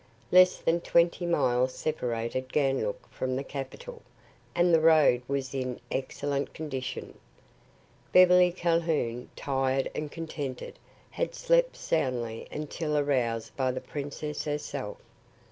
Less than twenty miles separated Ganlook from the capital, and the road was in excellent condition. Beverly Calhoun, tired and contented, had slept soundly until aroused by the princess herself.